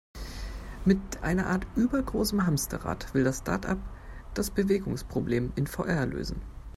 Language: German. Mit einer Art übergroßem Hamsterrad, will das Startup das Bewegungsproblem in VR lösen.